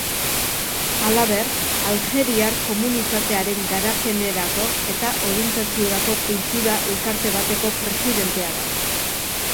Halaber, aljeriar komunitatearen garapenerako eta orientaziorako kultura elkarte bateko presidentea da.